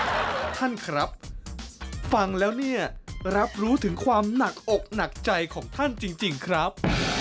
ท่านครับฟังแล้วเนี่ยรับรู้ถึงความหนักอกหนักใจของท่านจริงครับ